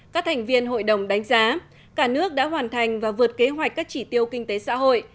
các thành viên hội đồng đánh giá cả nước đã hoàn thành và vượt kế hoạch các chỉ tiêu kinh tế xã hội